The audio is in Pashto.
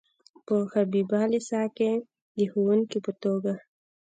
په حبیبیه لیسه کې د ښوونکي په توګه.